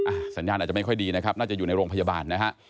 สัญญาณอาจจะไม่ค่อยดีนะครับน่าจะอยู่ในโรงพยาบาลนะฮะ